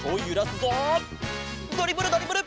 ドリブルドリブル